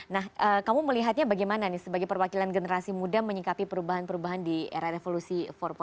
nah kamu melihatnya bagaimana nih sebagai perwakilan generasi muda menyikapi perubahan perubahan di era revolusi empat